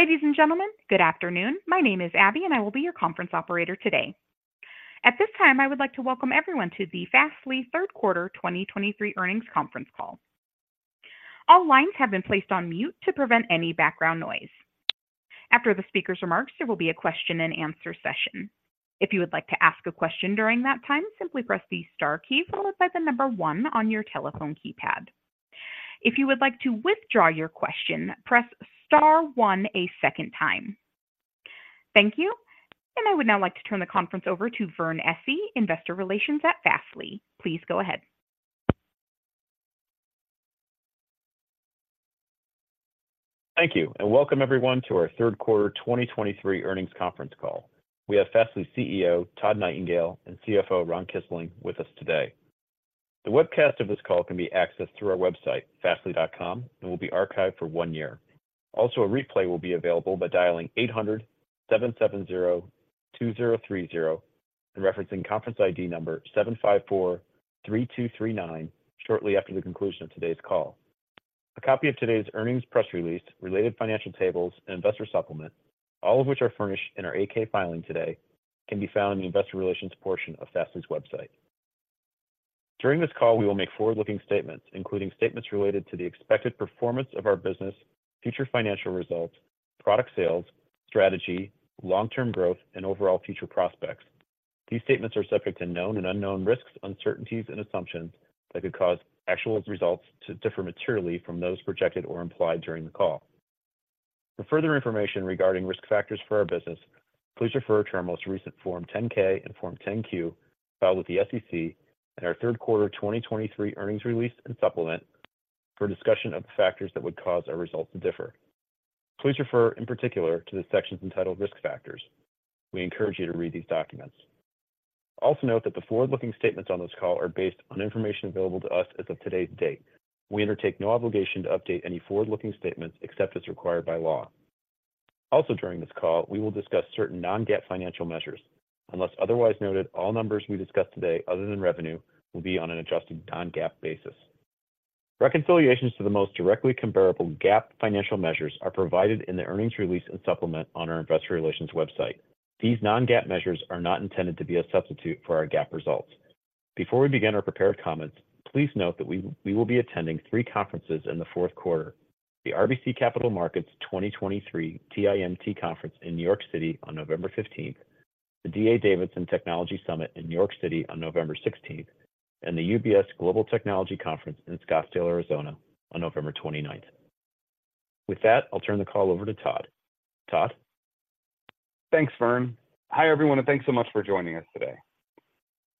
Ladies and gentlemen, good afternoon. My name is Abby, and I will be your conference operator today. At this time, I would like to welcome everyone to the Fastly Third Quarter 2023 Earnings Conference Call. All lines have been placed on mute to prevent any background noise. After the speaker's remarks, there will be a question-and-answer session. If you would like to ask a question during that time, simply press the star key followed by the number one on your telephone keypad. If you would like to withdraw your question, press star one a second time. Thank you, and I would now like to turn the conference over to Vern Essi, Investor Relations at Fastly. Please go ahead. Thank you, and welcome everyone to our Third Quarter 2023 Earnings Conference Call. We have Fastly CEO, Todd Nightingale, and CFO, Ron Kisling, with us today. The webcast of this call can be accessed through our website, fastly.com, and will be archived for 1 year. Also, a replay will be available by dialing 800-770-2030 and referencing conference ID number 754-3239 shortly after the conclusion of today's call. A copy of today's earnings press release, related financial tables, and investor supplement, all of which are furnished in our 8-K filing today, can be found in the investor relations portion of Fastly's website. During this call, we will make forward-looking statements, including statements related to the expected performance of our business, future financial results, product sales, strategy, long-term growth, and overall future prospects. These statements are subject to known and unknown risks, uncertainties, and assumptions that could cause actual results to differ materially from those projected or implied during the call. For further information regarding risk factors for our business, please refer to our most recent Form 10-K and Form 10-Q filed with the SEC and our third quarter 2023 earnings release and supplement for a discussion of the factors that would cause our results to differ. Please refer in particular to the sections entitled Risk Factors. We encourage you to read these documents. Also, note that the forward-looking statements on this call are based on information available to us as of today's date. We undertake no obligation to update any forward-looking statements except as required by law. Also, during this call, we will discuss certain non-GAAP financial measures. Unless otherwise noted, all numbers we discuss today other than revenue will be on an adjusted non-GAAP basis. Reconciliations to the most directly comparable GAAP financial measures are provided in the earnings release and supplement on our investor relations website. These non-GAAP measures are not intended to be a substitute for our GAAP results. Before we begin our prepared comments, please note that we will be attending three conferences in the fourth quarter: the RBC Capital Markets 2023 TIMT Conference in New York City on November 15th, the D.A. Davidson Technology Summit in New York City on November 16th, and the UBS Global Technology Conference in Scottsdale, Arizona on November 29th. With that, I'll turn the call over to Todd. Todd? Thanks, Vern. Hi, everyone, and thanks so much for joining us today.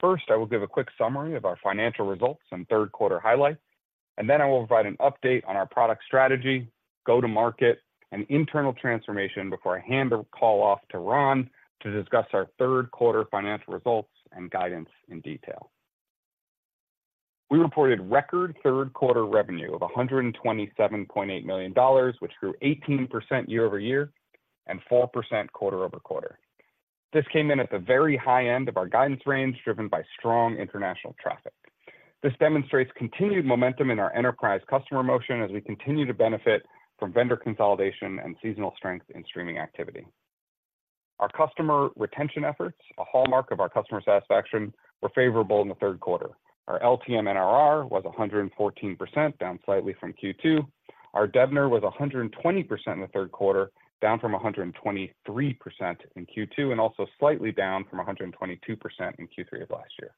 First, I will give a quick summary of our financial results and third quarter highlights, and then I will provide an update on our product strategy, go-to-market, and internal transformation before I hand the call off to Ron to discuss our third quarter financial results and guidance in detail. We reported record third quarter revenue of $127.8 million, which grew 18% year-over-year and 4% quarter-over-quarter. This came in at the very high end of our guidance range, driven by strong international traffic. This demonstrates continued momentum in our enterprise customer motion as we continue to benefit from vendor consolidation and seasonal strength in streaming activity. Our customer retention efforts, a hallmark of our customer satisfaction, were favorable in the third quarter. Our LTM NRR was 114%, down slightly from Q2. Our DBNER was 120% in the third quarter, down from 123% in Q2, and also slightly down from 122% in Q3 of last year.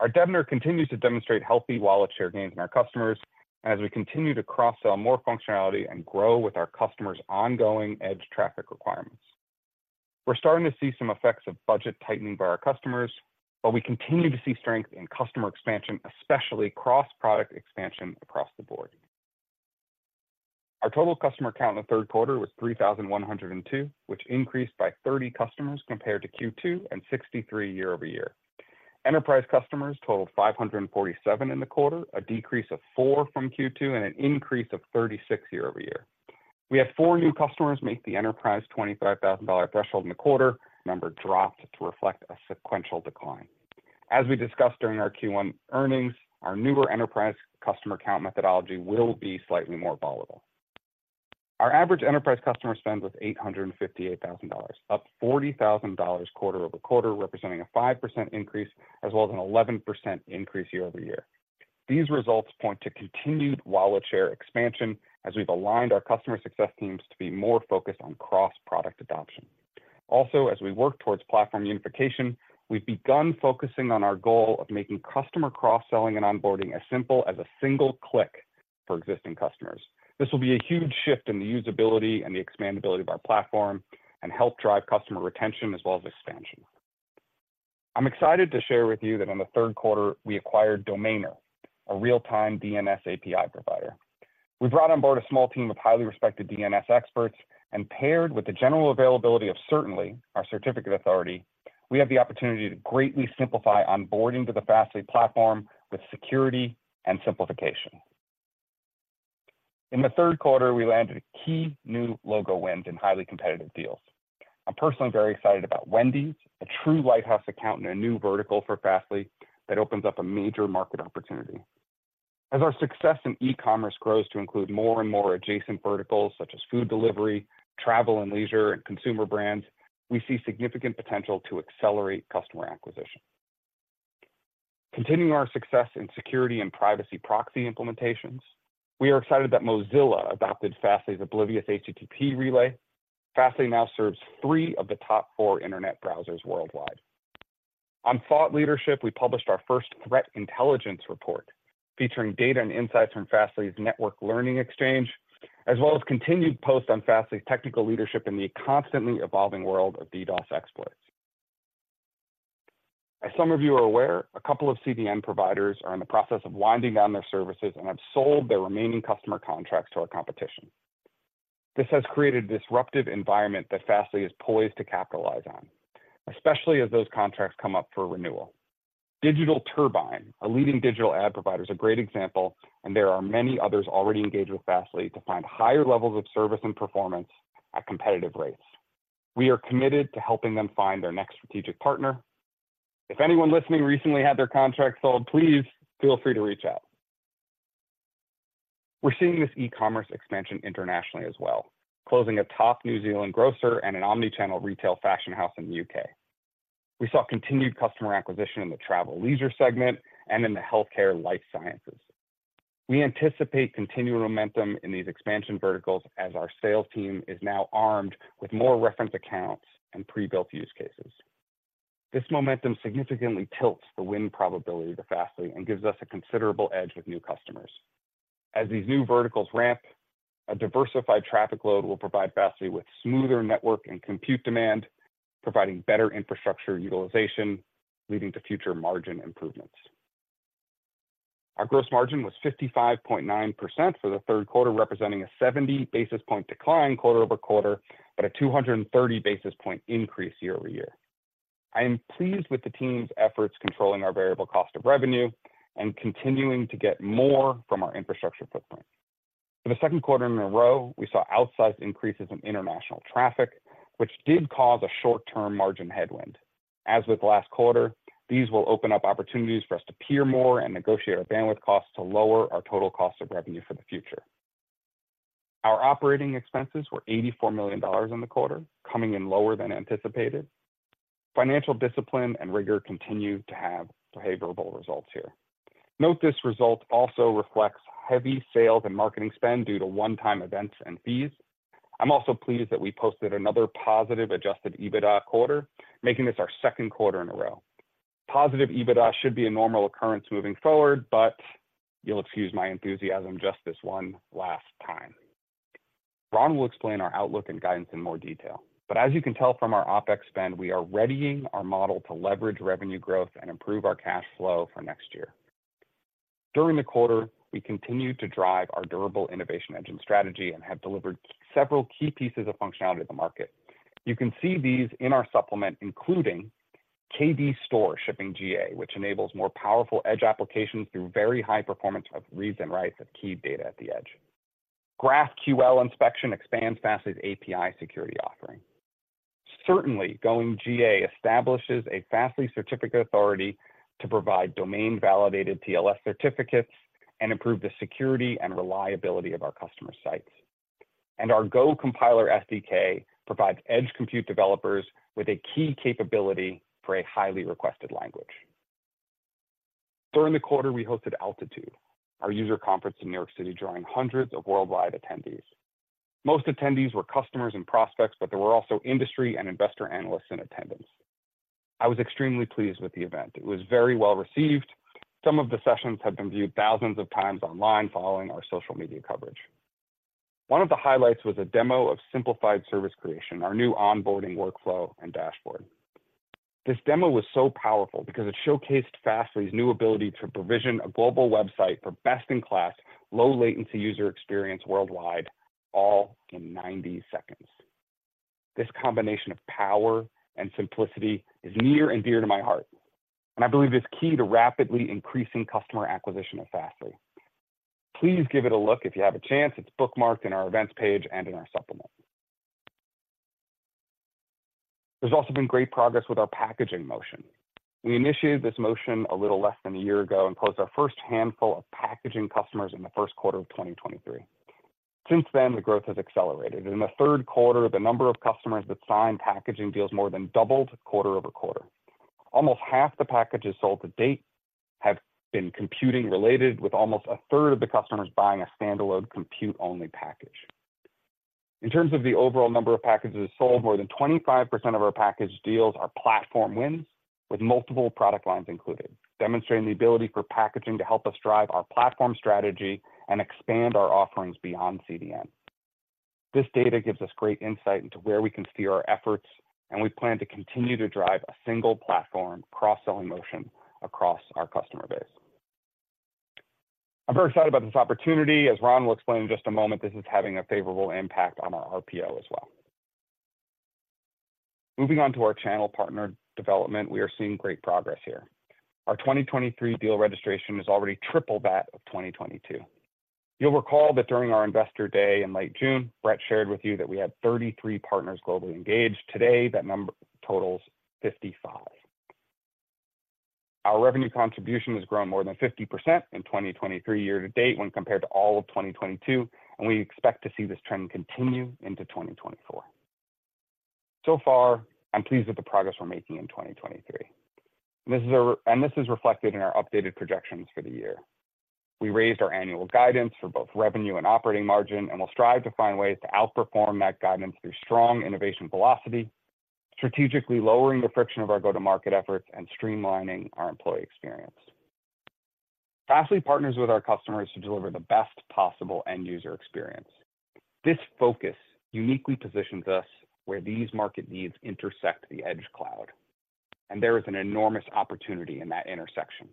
Our DBNER continues to demonstrate healthy wallet share gains in our customers as we continue to cross-sell more functionality and grow with our customers' ongoing edge traffic requirements. We're starting to see some effects of budget tightening by our customers, but we continue to see strength in customer expansion, especially cross-product expansion across the board. Our total customer count in the third quarter was 3,102, which increased by 30 customers compared to Q2 and 63 year-over-year. Enterprise customers totaled 547 in the quarter, a decrease of 4 from Q2 and an increase of 36 year-over-year. We had 4 new customers make the Enterprise $25,000 threshold in the quarter, number dropped to reflect a sequential decline. As we discussed during our Q1 earnings, our newer enterprise customer count methodology will be slightly more volatile. Our average enterprise customer spend was $858,000, up $40,000 quarter-over-quarter, representing a 5% increase, as well as an 11% increase year-over-year. These results point to continued wallet share expansion as we've aligned our customer success teams to be more focused on cross-product adoption. Also, as we work towards platform unification, we've begun focusing on our goal of making customer cross-selling and onboarding as simple as a single click for existing customers. This will be a huge shift in the usability and the expandability of our platform and help drive customer retention as well as expansion. I'm excited to share with you that in the third quarter we acquired Domainr, a real-time DNS API provider. We brought on board a small team of highly respected DNS experts, and paired with the general availability of Certainly, our certificate authority, we have the opportunity to greatly simplify onboarding to the Fastly platform with security and simplification. In the third quarter, we landed a key new logo win in highly competitive deals. I'm personally very excited about Wendy's, a true lighthouse account and a new vertical for Fastly that opens up a major market opportunity. As our success in e-commerce grows to include more and more adjacent verticals, such as food delivery, travel and leisure, and consumer brands, we see significant potential to accelerate customer acquisition. Continuing our success in security and privacy proxy implementations, we are excited that Mozilla adopted Fastly's Oblivious HTTP Relay. Fastly now serves three of the top four internet browsers worldwide. On thought leadership, we published our first threat intelligence report, featuring data and insights from Fastly's Network Learning Exchange, as well as continued posts on Fastly's technical leadership in the constantly evolving world of DDoS exploits. As some of you are aware, a couple of CDN providers are in the process of winding down their services and have sold their remaining customer contracts to our competition. This has created a disruptive environment that Fastly is poised to capitalize on, especially as those contracts come up for renewal. Digital Turbine, a leading digital ad provider, is a great example, and there are many others already engaged with Fastly to find higher levels of service and performance at competitive rates. We are committed to helping them find their next strategic partner. If anyone listening recently had their contract sold, please feel free to reach out. We're seeing this e-commerce expansion internationally as well, closing a top New Zealand grocer and an omni-channel retail fashion house in the UK. We saw continued customer acquisition in the travel and leisure segment and in the healthcare life sciences. We anticipate continued momentum in these expansion verticals as our sales team is now armed with more reference accounts and pre-built use cases. This momentum significantly tilts the win probability to Fastly and gives us a considerable edge with new customers. As these new verticals ramp, a diversified traffic load will provide Fastly with smoother network and compute demand, providing better infrastructure utilization, leading to future margin improvements. Our gross margin was 55.9% for the third quarter, representing a 70 basis point decline quarter-over-quarter, but a 230 basis point increase year over year. I am pleased with the team's efforts controlling our variable cost of revenue and continuing to get more from our infrastructure footprint. For the second quarter in a row, we saw outsized increases in international traffic, which did cause a short-term margin headwind. As with last quarter, these will open up opportunities for us to peer more and negotiate our bandwidth costs to lower our total cost of revenue for the future. Our operating expenses were $84 million in the quarter, coming in lower than anticipated. Financial discipline and rigor continue to have favorable results here. Note, this result also reflects heavy sales and marketing spend due to one-time events and fees. I'm also pleased that we posted another positive adjusted EBITDA quarter, making this our second quarter in a row. Positive EBITDA should be a normal occurrence moving forward, but you'll excuse my enthusiasm just this one last time. Ron will explain our outlook and guidance in more detail, but as you can tell from our OpEx spend, we are readying our model to leverage revenue growth and improve our cash flow for next year. During the quarter, we continued to drive our durable innovation engine strategy and have delivered several key pieces of functionality to the market. You can see these in our supplement, including KV Store shipping GA, which enables more powerful edge applications through very high performance of reads and writes of key data at the edge. GraphQL Inspection expands Fastly's API security offering. Certainly, going GA establishes a Fastly certificate authority to provide domain-validated TLS certificates and improve the security and reliability of our customer sites. And our Go compiler SDK provides edge compute developers with a key capability for a highly requested language. During the quarter, we hosted Altitude, our user conference in New York City, drawing hundreds of worldwide attendees. Most attendees were customers and prospects, but there were also industry and investor analysts in attendance. I was extremely pleased with the event. It was very well received. Some of the sessions have been viewed thousands of times online following our social media coverage. One of the highlights was a demo of simplified service creation, our new onboarding workflow and dashboard. This demo was so powerful because it showcased Fastly's new ability to provision a global website for best-in-class, low-latency user experience worldwide, all in 90 seconds. This combination of power and simplicity is near and dear to my heart, and I believe it's key to rapidly increasing customer acquisition at Fastly. Please give it a look if you have a chance. It's bookmarked in our events page and in our supplement. There's also been great progress with our packaging motion. We initiated this motion a little less than a year ago and closed our first handful of packaging customers in the first quarter of 2023. Since then, the growth has accelerated. In the third quarter, the number of customers that signed packaging deals more than doubled quarter-over-quarter. Almost half the packages sold to date have been computing related, with almost a third of the customers buying a standalone compute-only package. In terms of the overall number of packages sold, more than 25% of our package deals are platform wins, with multiple product lines included, demonstrating the ability for packaging to help us drive our platform strategy and expand our offerings beyond CDN. This data gives us great insight into where we can steer our efforts, and we plan to continue to drive a single platform cross-selling motion across our customer base. I'm very excited about this opportunity. As Ron will explain in just a moment, this is having a favorable impact on our RPO as well. Moving on to our channel partner development, we are seeing great progress here. Our 2023 deal registration is already triple that of 2022. You'll recall that during our Investor Day in late June, Brett shared with you that we had 33 partners globally engaged. Today, that number totals 55. Our revenue contribution has grown more than 50% in 2023 year-to-date when compared to all of 2022, and we expect to see this trend continue into 2024. So far, I'm pleased with the progress we're making in 2023. This is reflected in our updated projections for the year. We raised our annual guidance for both revenue and operating margin, and we'll strive to find ways to outperform that guidance through strong innovation velocity, strategically lowering the friction of our go-to-market efforts, and streamlining our employee experience. Fastly partners with our customers to deliver the best possible end-user experience. This focus uniquely positions us where these market needs intersect the edge cloud, and there is an enormous opportunity in that intersection.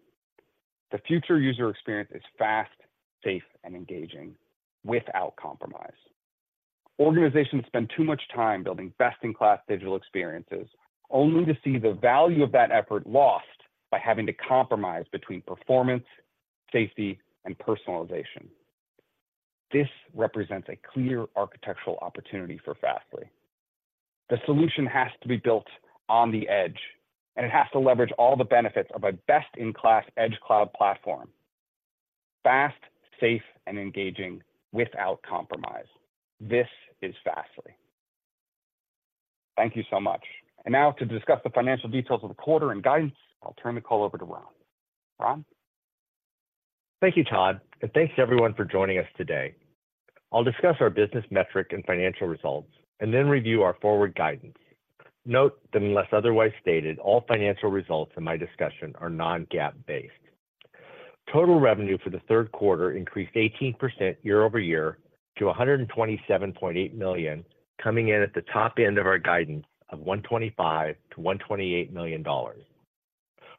The future user experience is fast, safe, and engaging without compromise. Organizations spend too much time building best-in-class digital experiences, only to see the value of that effort lost by having to compromise between performance, safety, and personalization. This represents a clear architectural opportunity for Fastly. The solution has to be built on the edge, and it has to leverage all the benefits of a best-in-class edge cloud platform. Fast, safe, and engaging without compromise. This is Fastly. Thank you so much. And now to discuss the financial details of the quarter and guidance, I'll turn the call over to Ron. Ron? Thank you, Todd, and thanks to everyone for joining us today. I'll discuss our business metric and financial results and then review our forward guidance. Note that unless otherwise stated, all financial results in my discussion are non-GAAP based. Total revenue for the third quarter increased 18% year-over-year to $127.8 million, coming in at the top end of our guidance of $125 million-$128 million.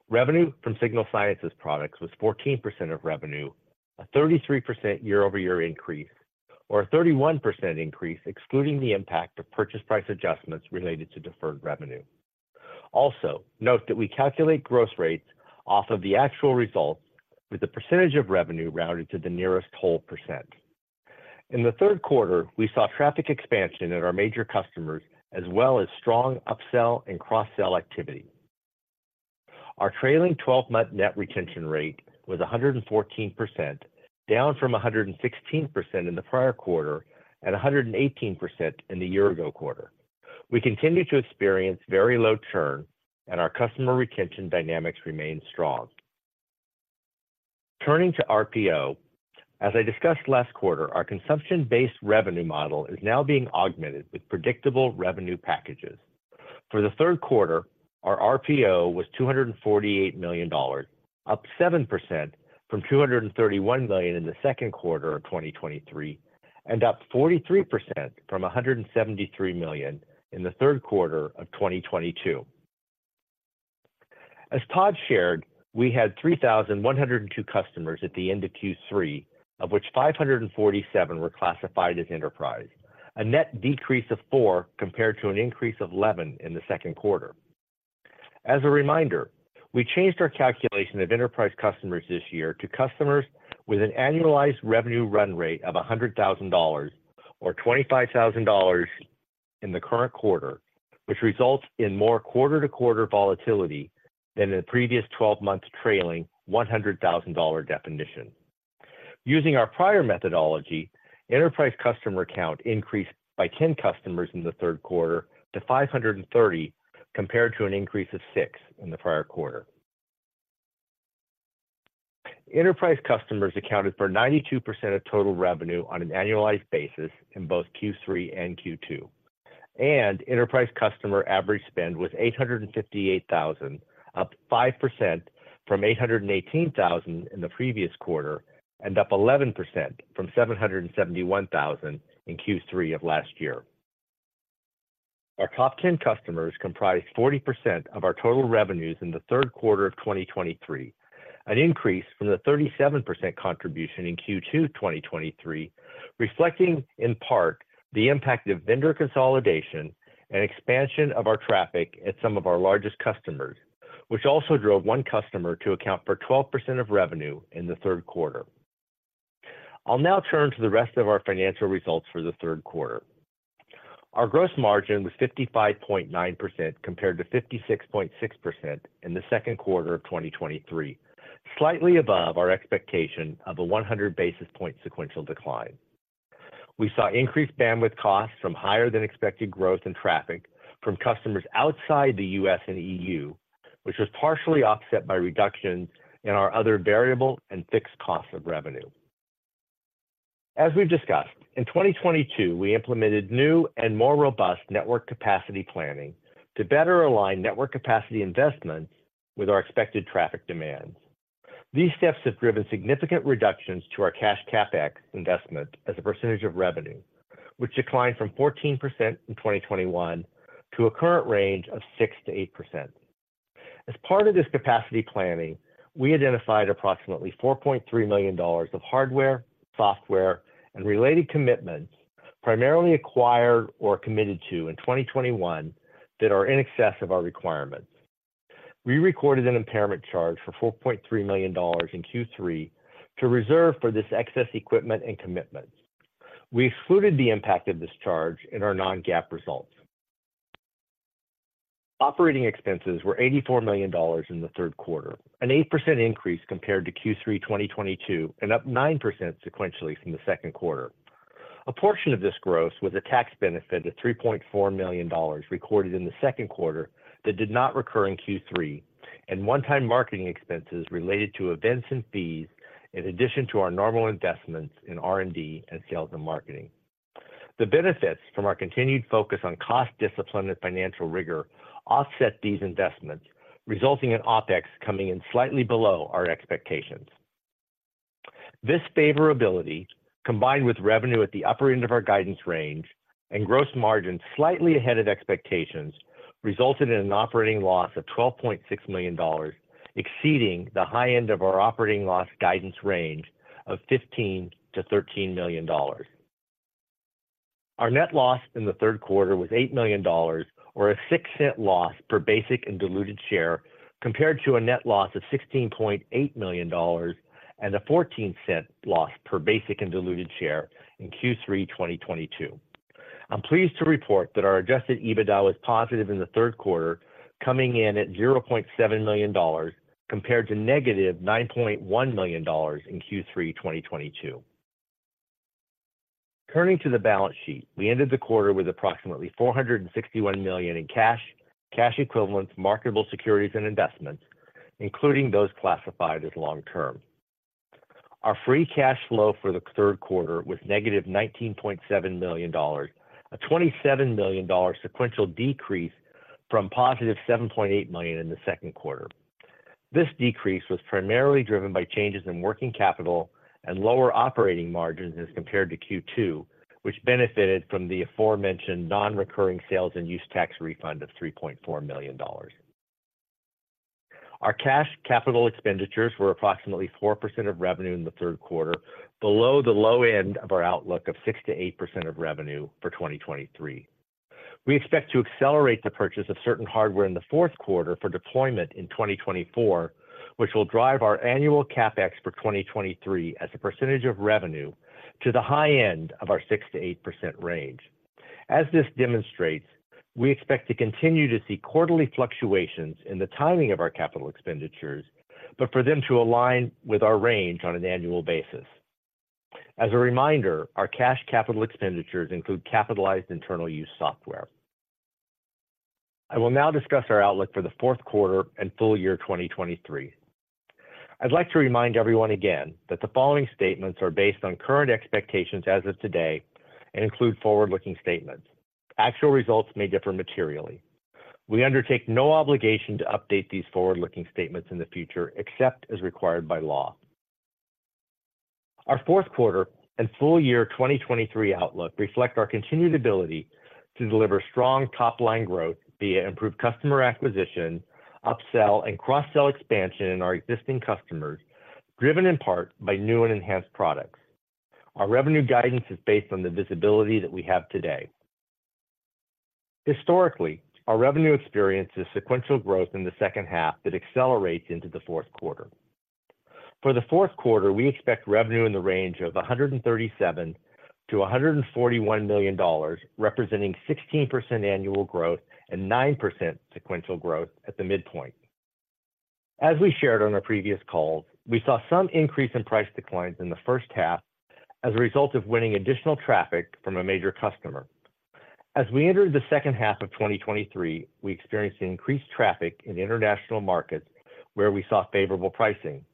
Revenue from Signal Sciences products was 14% of revenue, a 33% year-over-year increase, or a 31% increase, excluding the impact of purchase price adjustments related to deferred revenue. Also, note that we calculate gross rates off of the actual results, with the percentage of revenue rounded to the nearest whole percent. In the third quarter, we saw traffic expansion at our major customers, as well as strong upsell and cross-sell activity. Our trailing twelve-month net retention rate was 114%, down from 116% in the prior quarter and 118% in the year-ago quarter. We continue to experience very low churn, and our customer retention dynamics remain strong. Turning to RPO, as I discussed in last quarter, our consumption-based revenue model is now being augmented with predictable revenue packages. For the third quarter, our RPO was $248 million, up 7% from $231 million in the second quarter of 2023, and up 43% from $173 million in the third quarter of 2022. As Todd shared, we had 3,102 customers at the end of Q3, of which 547 were classified as enterprise, a net decrease of 4 compared to an increase of 11 in the second quarter. As a reminder, we changed our calculation of enterprise customers this year to customers with an annualized revenue run rate of $100,000, or $25,000 in the current quarter, which results in more quarter-to-quarter volatility than the previous twelve-month trailing $100,000 definition. Using our prior methodology, enterprise customer count increased by 10 customers in the third quarter to 530, compared to an increase of 6 in the prior quarter. Enterprise customers accounted for 92% of total revenue on an annualized basis in both Q3 and Q2, and enterprise customer average spend was $858,000, up 5% from $818,000 in the previous quarter and up 11% from $771,000 in Q3 of last year. Our top 10 customers comprised 40% of our total revenues in the third quarter of 2023, an increase from the 37% contribution in Q2 2023, reflecting, in part, the impact of vendor consolidation and expansion of our traffic at some of our largest customers, which also drove one customer to account for 12% of revenue in the third quarter. I'll now turn to the rest of our financial results for the third quarter. Our gross margin was 55.9%, compared to 56.6% in the second quarter of 2023, slightly above our expectation of a 100 basis point sequential decline. We saw increased bandwidth costs from higher than expected growth in traffic from customers outside the U.S. and E.U. which was partially offset by reductions in our other variable and fixed costs of revenue. As we've discussed, in 2022, we implemented new and more robust network capacity planning to better align network capacity investment with our expected traffic demands. These steps have driven significant reductions to our cash CapEx investment as a percentage of revenue, which declined from 14% in 2021 to a current range of 6%-8%. As part of this capacity planning, we identified approximately $4.3 million of hardware, software, and related commitments, primarily acquired or committed to in 2021, that are in excess of our requirements. We recorded an impairment charge for $4.3 million in Q3 to reserve for this excess equipment and commitment. We excluded the impact of this charge in our non-GAAP results. Operating expenses were $84 million in the third quarter, an 8% increase compared to Q3 2022, and up 9% sequentially from the second quarter. A portion of this growth was a tax benefit of $3.4 million recorded in the second quarter that did not recur in Q3, and one-time marketing expenses related to events and fees, in addition to our normal investments in R&D and sales and marketing. The benefits from our continued focus on cost discipline and financial rigor offset these investments, resulting in OpEx coming in slightly below our expectations. This favorability, combined with revenue at the upper end of our guidance range and gross margin slightly ahead of expectations, resulted in an operating loss of $12.6 million, exceeding the high end of our operating loss guidance range of $15 million-$13 million. Our net loss in the third quarter was $8 million, or a $0.06 loss per basic and diluted share, compared to a net loss of $16.8 million and a $0.14 loss per basic and diluted share in Q3 2022. I'm pleased to report that our adjusted EBITDA was positive in the third quarter, coming in at $0.7 million, compared to -$9.1 million in Q3 2022. Turning to the balance sheet, we ended the quarter with approximately $461 million in cash, cash equivalents, marketable securities and investments, including those classified as long term. Our free cash flow for the third quarter was -$19.7 million, a $27 million sequential decrease from +$7.8 million in the second quarter. This decrease was primarily driven by changes in working capital and lower operating margins as compared to Q2, which benefited from the aforementioned non-recurring sales and use tax refund of $3.4 million. Our cash capital expenditures were approximately 4% of revenue in the third quarter, below the low end of our outlook of 6%-8% of revenue for 2023. We expect to accelerate the purchase of certain hardware in the fourth quarter for deployment in 2024, which will drive our annual CapEx for 2023 as a percentage of revenue to the high end of our 6%-8% range. As this demonstrates, we expect to continue to see quarterly fluctuations in the timing of our capital expenditures, but for them to align with our range on an annual basis. As a reminder, our cash capital expenditures include capitalized internal use software. I will now discuss our outlook for the fourth quarter and full year 2023. I'd like to remind everyone again that the following statements are based on current expectations as of today and include forward-looking statements. Actual results may differ materially. We undertake no obligation to update these forward-looking statements in the future, except as required by law. Our fourth quarter and full year 2023 outlook reflect our continued ability to deliver strong topline growth via improved customer acquisition, upsell, and cross-sell expansion in our existing customers, driven in part by new and enhanced products. Our revenue guidance is based on the visibility that we have today. Historically, our revenue experiences sequential growth in the second half that accelerates into the fourth quarter. For the fourth quarter, we expect revenue in the range of $137 million-$141 million, representing 16% annual growth and 9% sequential growth at the midpoint. As we shared on our previous calls, we saw some increase in price declines in the first half as a result of winning additional traffic from a major customer. As we entered the second half of 2023, we experienced increased traffic in international markets where we saw favorable pricing.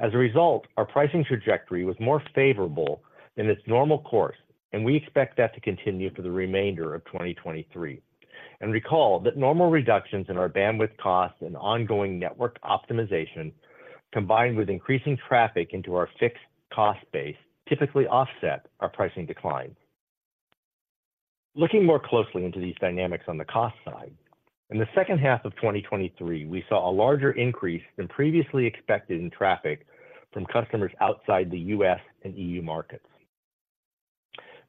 As a result, our pricing trajectory was more favorable than its normal course, and we expect that to continue for the remainder of 2023. Recall that normal reductions in our bandwidth costs and ongoing network optimization, combined with increasing traffic into our fixed cost base, typically offset our pricing declines. Looking more closely into these dynamics on the cost side. In the second half of 2023, we saw a larger increase than previously expected in traffic from customers outside the U.S. and E.U. markets.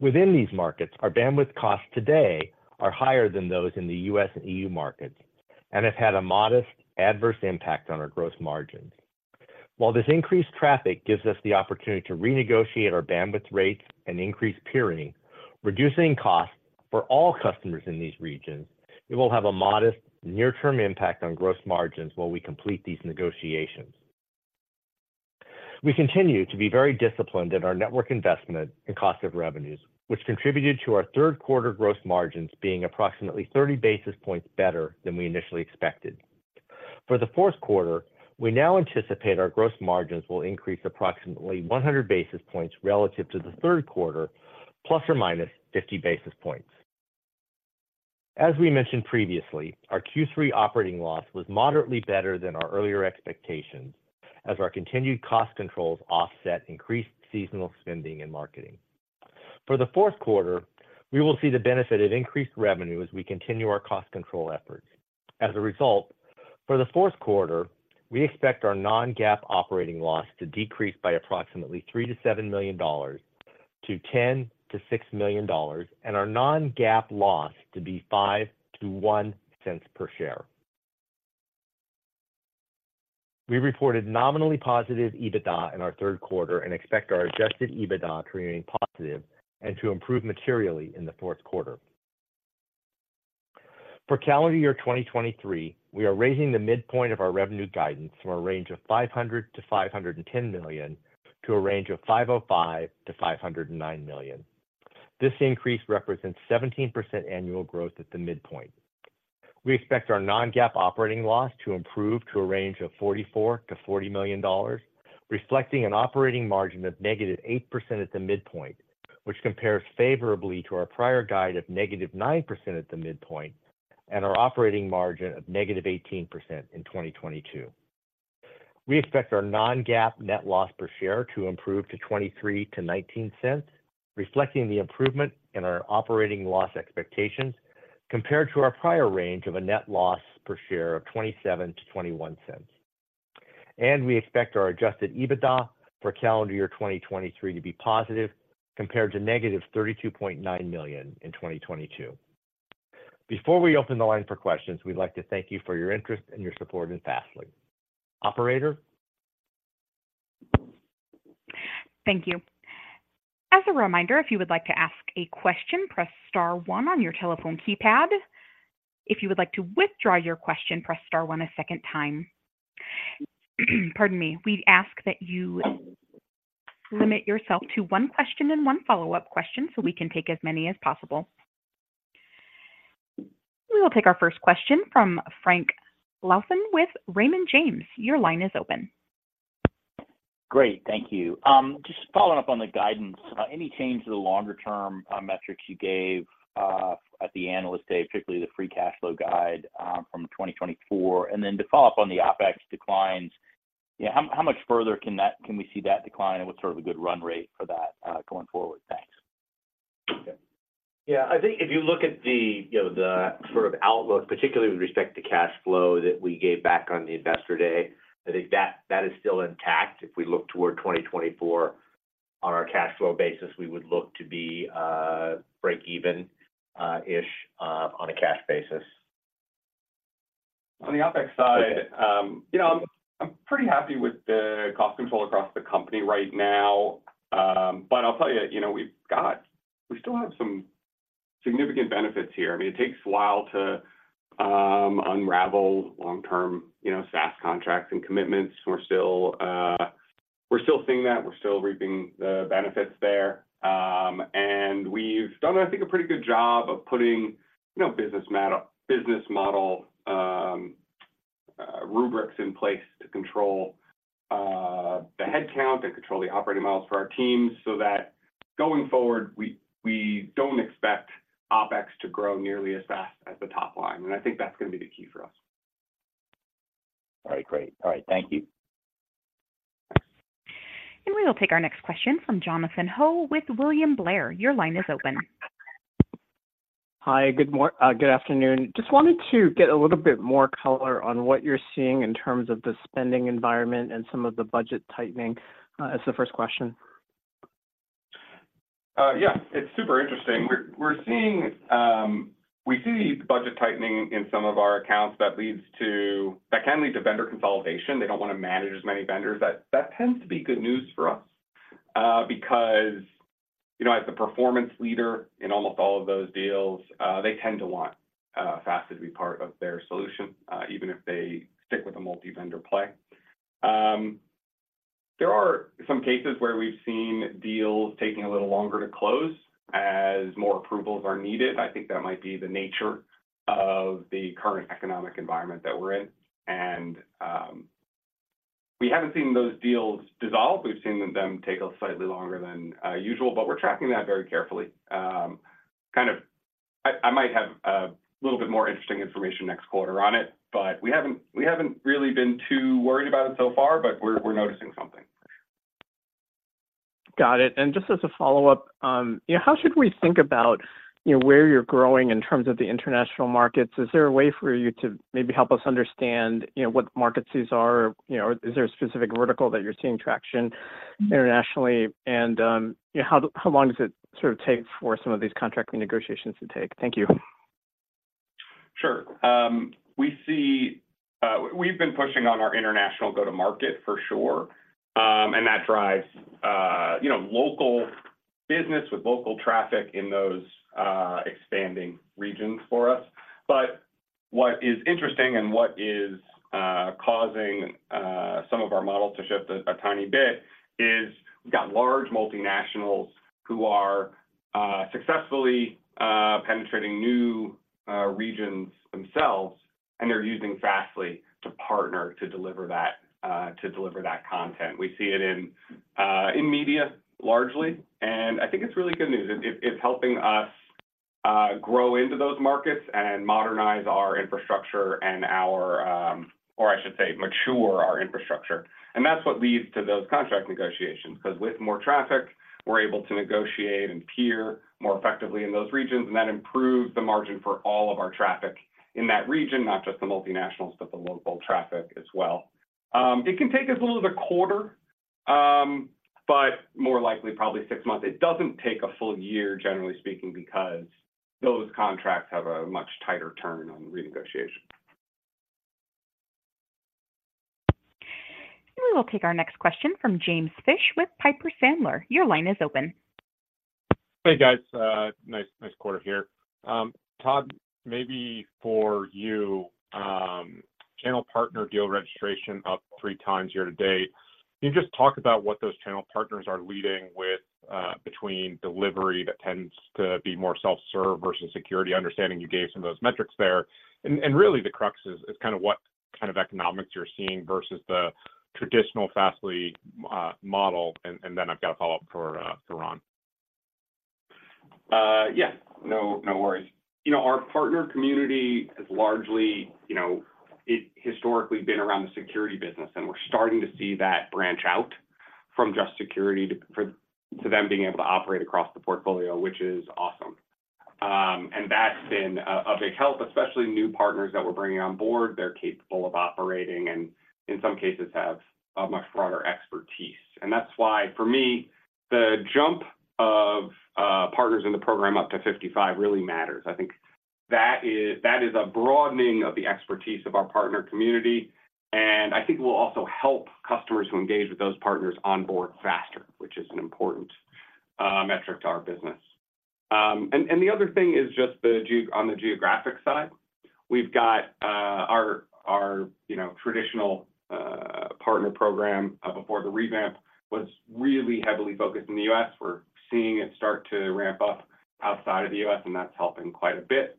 Within these markets, our bandwidth costs today are higher than those in the U.S. and E.U. markets and have had a modest adverse impact on our gross margins. While this increased traffic gives us the opportunity to renegotiate our bandwidth rates and increase peering, reducing costs for all customers in these regions, it will have a modest near-term impact on gross margins while we complete these negotiations. We continue to be very disciplined in our network investment and cost of revenues, which contributed to our third quarter gross margins being approximately 30 basis points better than we initially expected. For the fourth quarter, we now anticipate our gross margins will increase approximately 100 basis points relative to the third quarter, ±50 basis points. As we mentioned previously, our Q3 operating loss was moderately better than our earlier expectations, as our continued cost controls offset increased seasonal spending and marketing. For the fourth quarter, we will see the benefit of increased revenue as we continue our cost control efforts. As a result, for the fourth quarter, we expect our non-GAAP operating loss to decrease by approximately $3 million-$7 million to $10 million-$6 million, and our non-GAAP loss to be $0.05-$0.01 per share. We reported nominally positive EBITDA in our third quarter and expect our adjusted EBITDA to remain positive and to improve materially in the fourth quarter. For calendar year 2023, we are raising the midpoint of our revenue guidance from a range of $500 million-$510 million to a range of $505 million-$509 million. This increase represents 17% annual growth at the midpoint. We expect our non-GAAP operating loss to improve to a range of $44 million-$40 million, reflecting an operating margin of -8% at the midpoint, which compares favorably to our prior guide of -9% at the midpoint and our operating margin of -18% in 2022. We expect our non-GAAP net loss per share to improve to -$0.23 to -$0.19, reflecting the improvement in our operating loss expectations compared to our prior range of a net loss per share of $0.27 to $0.21. We expect our adjusted EBITDA for calendar year 2023 to be positive, compared to -$32.9 million in 2022. Before we open the line for questions, we'd like to thank you for your interest and your support in Fastly. Operator? Thank you. As a reminder, if you would like to ask a question, press star one on your telephone keypad. If you would like to withdraw your question, press star one a second time. Pardon me. We ask that you limit yourself to one question and one follow-up question so we can take as many as possible. We will take our first question from Frank Louthan with Raymond James. Your line is open. Great. Thank you. Just following up on the guidance, any change to the longer-term metrics you gave at the Analyst Day, particularly the free cash flow guide from 2024? And then to follow up on the OpEx declines, yeah, how much further can we see that decline, and what's sort of a good run rate for that going forward? Thanks. Yeah, I think if you look at the, you know, the sort of outlook, particularly with respect to cash flow that we gave back on the Investor Day, I think that, that is still intact. If we look toward 2024 on our cash flow basis, we would look to be breakeven-ish on a cash basis. On the OpEx side, you know, I'm pretty happy with the cost control across the Company right now. But I'll tell you, you know, we've got, we still have some significant benefits here. I mean, it takes a while to unravel long-term SaaS contracts and commitments. We're still seeing that. We're still reaping the benefits there. And we've done, I think, a pretty good job of putting, you know, business matter -- business model rubrics in place to control the headcount and control the operating models for our teams so that going forward, we don't expect OpEx to grow nearly as fast as the topline, and I think that's gonna be the key for us. All right, great. All right, thank you. We will take our next question from Jonathan Ho with William Blair. Your line is open. Hi, good afternoon. Just wanted to get a little bit more color on what you're seeing in terms of the spending environment and some of the budget tightening, as the first question? Yeah, it's super interesting. We're seeing we see budget tightening in some of our accounts that leads to -- that can lead to vendor consolidation. They don't want to manage as many vendors. That tends to be good news for us because, you know, as the performance leader in almost all of those deals, they tend to want Fastly to be part of their solution even if they stick with a multi-vendor play. There are some cases where we've seen deals taking a little longer to close as more approvals are needed. I think that might be the nature of the current economic environment that we're in, and we haven't seen those deals dissolve. We've seen them take a slightly longer than usual, but we're tracking that very carefully. Kind of, I might have a little bit more interesting information next quarter on it, but we haven't really been too worried about it so far, but we're noticing something. Got it. And just as a follow-up, you know, how should we think about, you know, where you're growing in terms of the international markets? Is there a way for you to maybe help us understand, you know, what markets these are? You know, is there a specific vertical that you're seeing traction internationally? And, you know, how long does it sort of take for some of these contracting negotiations to take? Thank you. Sure. We see, we've been pushing on our international go-to-market for sure. And that drives, you know, local business with local traffic in those expanding regions for us. But what is interesting and what is causing some of our model to shift a tiny bit is we've got large multinationals who are successfully penetrating new regions themselves, and they're using Fastly to partner to deliver that, to deliver that content. We see it in media largely, and I think it's really good news. It's helping us grow into those markets and modernize our infrastructure and our, or I should say, mature our infrastructure. That's what leads to those contract negotiations, 'cause with more traffic, we're able to negotiate and peer more effectively in those regions, and that improves the margin for all of our traffic in that region, not just the multinationals, but the local traffic as well. It can take as little as a quarter, but more likely, probably six months. It doesn't take a full year, generally speaking, because those contracts have a much tighter turn on renegotiation. We will take our next question from James Fish with Piper Sandler. Your line is open. Hey, guys. Nice, nice quarter here. Todd, maybe for you, channel partner deal registration up three times year to date. Can you just talk about what those channel partners are leading with, between delivery that tends to be more self-serve versus security? Understanding you gave some of those metrics there. And, and really the crux is, is kind of what kind of economics you're seeing versus the traditional Fastly model, and, and then I've got a follow-up for, for Ron. Yeah. No, no worries. You know, our partner community is largely, you know, it historically been around the security business, and we're starting to see that branch out from just security to, for, to them being able to operate across the portfolio, which is awesome. And that's been a big help, especially new partners that we're bringing on board. They're capable of operating and, in some cases, have a much broader expertise. And that's why, for me, the jump of partners in the program up to 55 really matters. I think that is a broadening of the expertise of our partner community, and I think will also help customers who engage with those partners on board faster, which is an important metric to our business. And the other thing is just the geographic side. We've got, you know, our traditional partner program before the revamp was really heavily focused in the U.S. We're seeing it start to ramp up outside of the U.S., and that's helping quite a bit.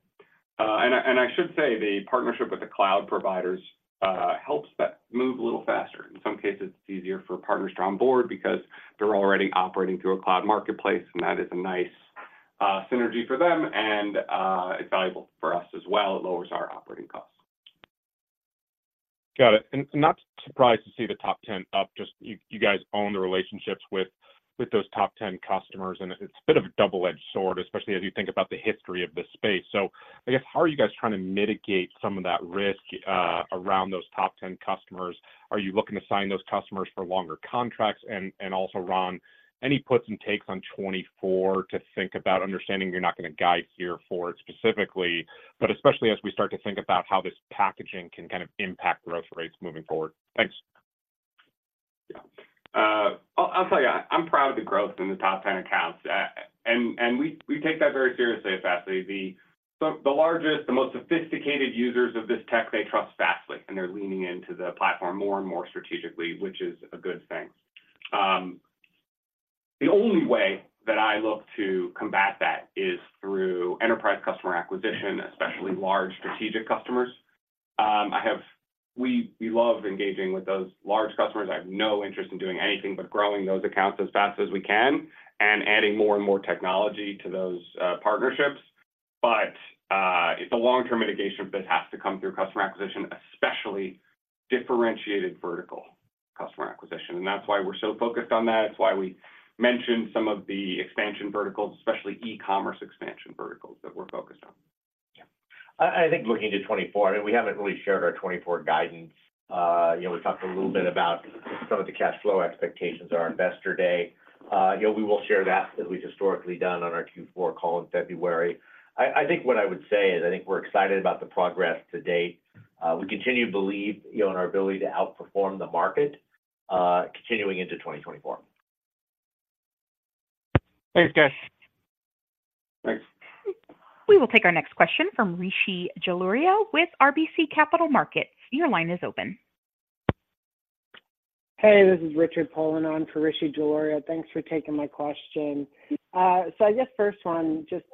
I should say the partnership with the cloud providers helps that move a little faster. In some cases, it's easier for partners to onboard because they're already operating through a cloud marketplace, and that is a nice synergy for them, and it's valuable for us as well. It lowers our operating costs. Got it. And not surprised to see the top ten up. Just you, you guys own the relationships with, with those top ten customers, and it's a bit of a double-edged sword, especially as you think about the history of this space. So I guess, how are you guys trying to mitigate some of that risk around those top ten customers? Are you looking to sign those customers for longer contracts? And also, Ron, any puts and takes on 2024 to think about understanding you're not gonna guide here for it specifically, but especially as we start to think about how this packaging can kind of impact growth rates moving forward? Thanks. Yeah. I'll, I'll tell you, I, I'm proud of the growth in the top 10 accounts. And we take that very seriously at Fastly. The largest, the most sophisticated users of this tech, they trust Fastly, and they're leaning into the platform more and more strategically, which is a good thing. The only way that I look to combat that is through enterprise customer acquisition, especially large strategic customers. We love engaging with those large customers. I have no interest in doing anything but growing those accounts as fast as we can and adding more and more technology to those partnerships. But the long-term mitigation of this has to come through customer acquisition, especially differentiated vertical customer acquisition, and that's why we're so focused on that. It's why we mentioned some of the expansion verticals, especially e-commerce expansion verticals, that we're focused on. Yeah. I think looking into 2024, and we haven't really shared our 2024 guidance. You know, we talked a little bit about some of the cash flow expectations on our investor day. You know, we will share that, as we've historically done, on our Q4 call in February. I think what I would say is, I think we're excited about the progress to date. We continue to believe, you know, in our ability to outperform the market, continuing into 2024. Thanks, guys. Thanks. We will take our next question from Rishi Jaluria with RBC Capital Markets. Your line is open. Hey, this is Richard Poland on for Rishi Jaluria. Thanks for taking my question. So I guess first one, just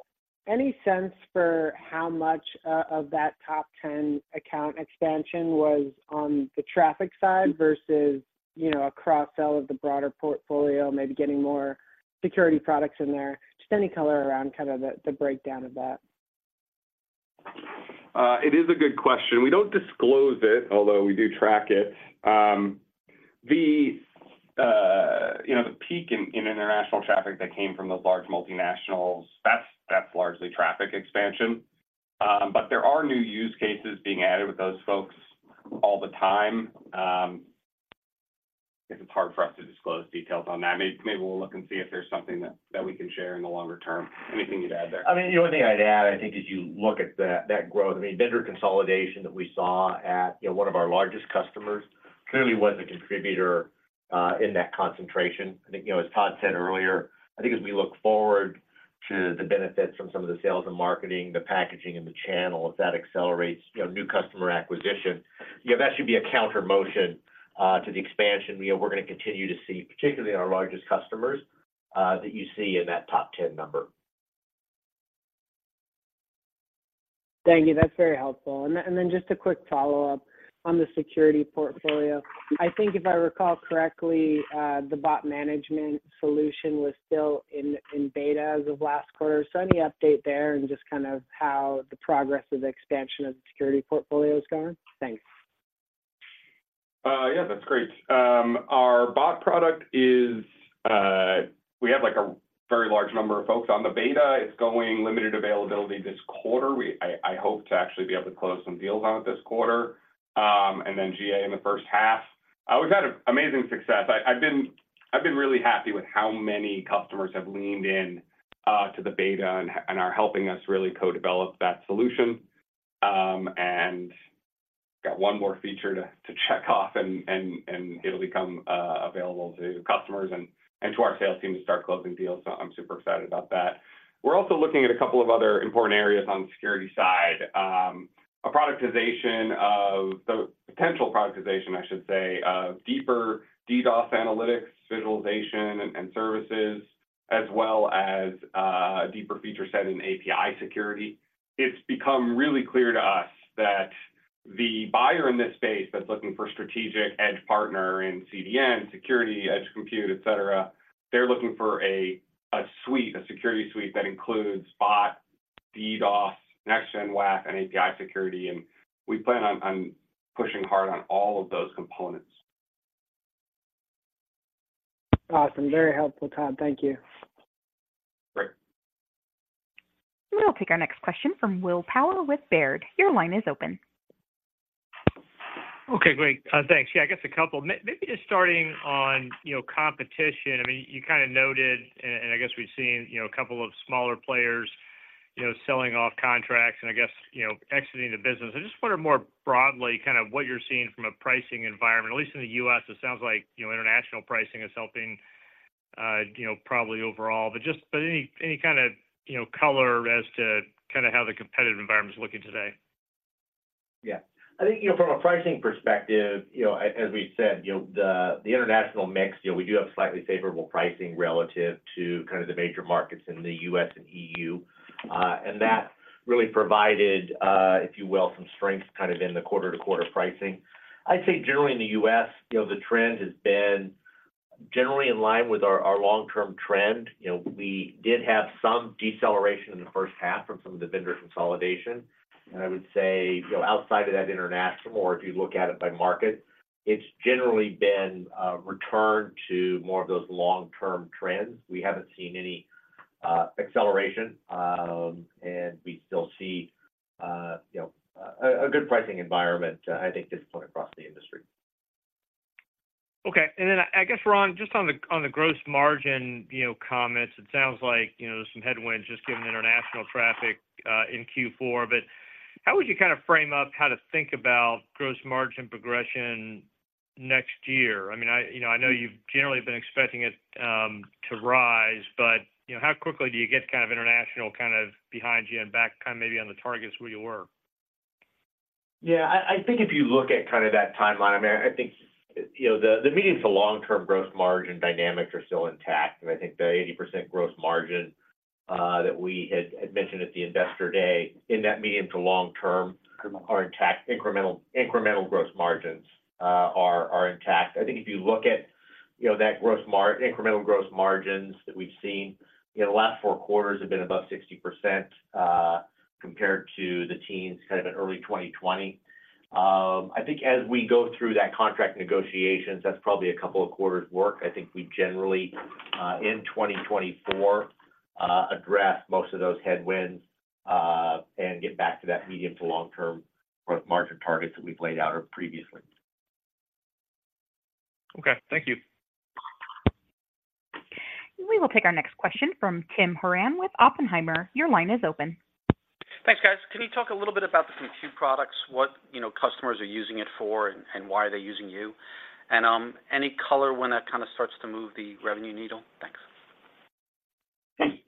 any sense for how much of that top 10 account expansion was on the traffic side versus, you know, a cross-sell of the broader portfolio, maybe getting more security products in there? Just any color around, kind of the breakdown of that. It is a good question. We don't disclose it, although we do track it. You know, the peak in international traffic that came from those large multinationals, that's largely traffic expansion. But there are new use cases being added with those folks all the time. I guess it's hard for us to disclose details on that. Maybe, maybe we'll look and see if there's something that we can share in the longer term. Anything you'd add there? I mean, the only thing I'd add, I think, as you look at that, that growth, I mean, vendor consolidation that we saw at, you know, one of our largest customers clearly was a contributor, in that concentration. I think, you know, as Todd said earlier, I think as we look forward to the benefits from some of the sales and marketing, the packaging, and the channel, if that accelerates, you know, new customer acquisition, you know, that should be a countermotion, to the expansion. You know, we're gonna continue to see, particularly in our largest customers, that you see in that top ten number. Thank you. That's very helpful. And then just a quick follow-up on the security portfolio. I think if I recall correctly, the bot management solution was still in beta as of last quarter. So any update there and just kind of how the progress of the expansion of the security portfolio is going? Thanks. Yeah, that's great. Our bot product is, we have like a very large number of folks on the beta. It's going limited availability this quarter. I hope to actually be able to close some deals on it this quarter, and then GA in the first half. We've had amazing success. I've been really happy with how many customers have leaned in to the beta and are helping us really co-develop that solution. And got one more feature to check off, and it'll become available to customers and to our sales team to start closing deals, so I'm super excited about that. We're also looking at a couple of other important areas on the security side. A productization of, the potential productization I should say, of deeper DDoS analytics, visualization, and services, as well as a deeper feature set in API security. It's become really clear to us that the buyer in this space that's looking for strategic edge partner in CDN, security, edge compute, et cetera, they're looking for a suite, a security suite that includes bot, DDoS, Next-Gen WAF, and API security, and we plan on pushing hard on all of those components. Awesome. Very helpful, Todd. Thank you. Great. We'll take our next question from Will Power with Baird. Your line is open. Okay, great. Thanks. Yeah, I guess a couple. Maybe just starting on, you know, competition. I mean, you kind of noted, and I guess we've seen, you know, a couple of smaller players, you know, selling off contracts and I guess, you know, exiting the business. I just wonder more broadly, kind of what you're seeing from a pricing environment, at least in the U.S. It sounds like, you know, international pricing is helping, you know, probably overall, but just, but any, any kind of, you know, color as to kind of how the competitive environment is looking today? Yeah. I think, you know, from a pricing perspective, you know, as we've said, you know, the international mix, you know, we do have slightly favorable pricing relative to kind of the major markets in the U.S. and E.U. And that really provided, if you will, some strength kind of in the quarter-to-quarter pricing. I'd say generally in the US, you know, the trend has been generally in line with our long-term trend. You know, we did have some deceleration in the first half from some of the vendor consolidation, and I would say, you know, outside of that international, or if you look at it by market, it's generally been returned to more of those long-term trends. We haven't seen any acceleration, and we still see, you know, a good pricing environment, I think, discipline across the industry. Okay. And then I guess, Ron, just on the gross margin, you know, comments, it sounds like, you know, some headwinds just given international traffic in Q4, but how would you kind of frame up how to think about gross margin progression next year? I mean, I know you've generally been expecting it to rise, but, you know, how quickly do you get kind of international kind of behind you and back kind of maybe on the targets where you were? Yeah, I think if you look at kind of that timeline, I mean, I think, you know, the medium- to long-term gross margin dynamics are still intact, and I think the 80% gross margin that we had mentioned at the Investor Day in that medium to long term are intact. Incremental gross margins are intact. I think if you look at, you know, incremental gross margins that we've seen, you know, the last 4 quarters have been above 60%, compared to the teens, kind of in early 2020. I think as we go through that contract negotiations, that's probably a couple of quarters work. I think we generally in 2024 address most of those headwinds and get back to that medium- to long-term gross margin targets that we've laid out previously. Okay. Thank you. We will take our next question from Tim Horan with Oppenheimer. Your line is open. Thanks, guys. Can you talk a little bit about the compute products, what, you know, customers are using it for, and why are they using you? Any color when that kind of starts to move the revenue needle? Thanks.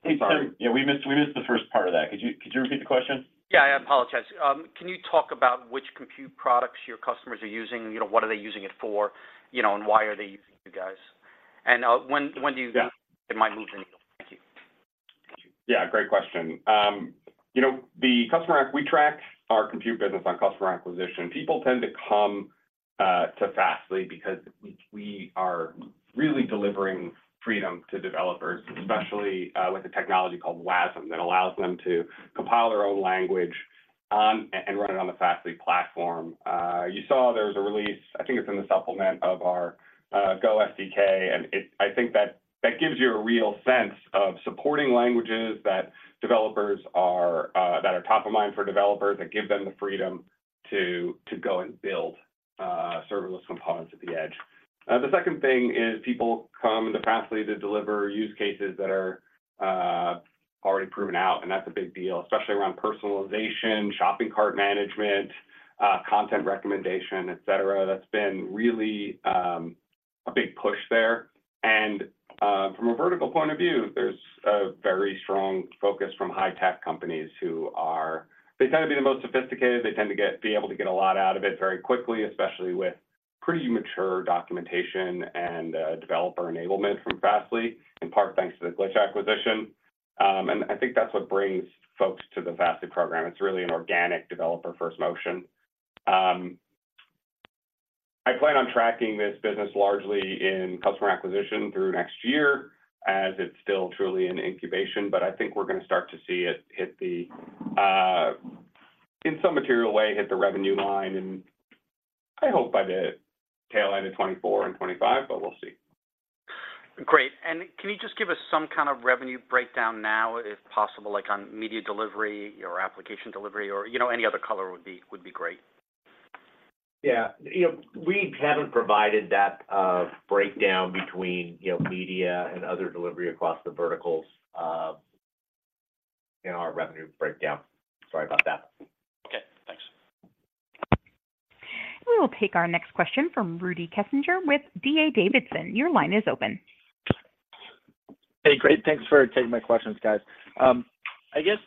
Hey, hey, Tim. Yeah, we missed, we missed the first part of that. Could you, could you repeat the question? Yeah, I apologize. Can you talk about which compute products your customers are using? You know, what are they using it for, you know, and why are they [using you guys?] And, when do you think it might move the [needle]? Thank you. Yeah, great question. You know, the customer -- we track our compute business on customer acquisition. People tend to come to Fastly because we are really delivering freedom to developers, especially with a technology called Wasm, that allows them to compile their own language and run it on the Fastly platform. You saw there was a release, I think it's in the supplement, of our Go SDK, and it... I think that gives you a real sense of supporting languages that developers are, that are top of mind for developers, that give them the freedom to go and build serverless components at the edge. The second thing is people come to Fastly to deliver use cases that are already proven out, and that's a big deal, especially around personalization, shopping cart management, content recommendation, et cetera. That's been really a big push there. From a vertical point of view, there's a very strong focus from high-tech companies who are -- they tend to be the most sophisticated. They tend to be able to get a lot out of it very quickly, especially with pretty mature documentation and developer enablement from Fastly, in part thanks to the Glitch acquisition. I think that's what brings folks to the Fastly program. It's really an organic developer-first motion. I plan on tracking this business largely in customer acquisition through next year, as it's still truly in incubation, but I think we're going to start to see it hit some material way, hit the revenue line and I hope by the tail end of 2024 and 2025, but we'll see. Great. Can you just give us some kind of revenue breakdown now, if possible, like, on media delivery or application delivery or, you know, any other color would be, would be great? Yeah. You know, we haven't provided that breakdown between, you know, media and other delivery across the verticals in our revenue breakdown. Sorry about that. Okay, thanks. We will take our next question from Rudy Kessinger with D.A. Davidson. Your line is open. Hey, great. Thanks for taking my questions, guys. I guess